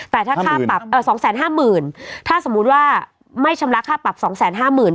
แต่ถ้าค่าปรับเอ่อสองแสนห้าหมื่นถ้าสมมุติว่าไม่ชำระค่าปรับสองแสนห้าหมื่น